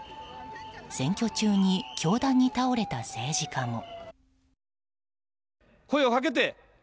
選挙中に凶弾に倒れた政治家も。